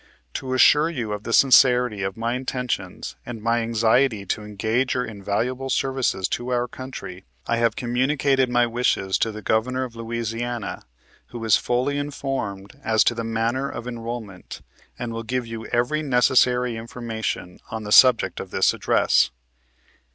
"To assure you of the sincerity of my intentions, and my anxiety to engage your invaluable services to our country, I have communicated my wishes to the Governor of Louisiana, who is fully informed as to the manner of enrolment, and will give you every necessary information on the subject of this address.